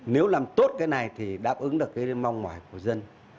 nếu làm tốt cái này thì đáp ứng được cái mong mỏi của dân